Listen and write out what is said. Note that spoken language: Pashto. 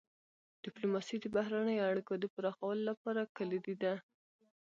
ډيپلوماسي د بهرنیو اړیکو د پراخولو لپاره کلیدي ده.